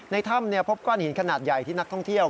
ในถ้ำพบก้อนหินขนาดใหญ่ที่นักท่องเที่ยว